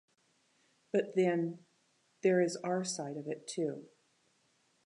But then, there is our side of it too.